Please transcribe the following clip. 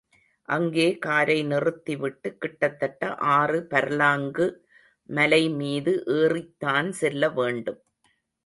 அங்கே காரை நிறுத்திவிட்டு கிட்டத்தட்ட ஆறு பர்லாங்கு மலைமீது ஏறித்தான் செல்ல வேண்டும்.